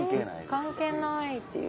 「関係ない」っていう。